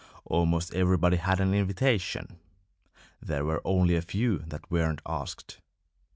Almost everybody had an invitation. There were only a few that weren't asked.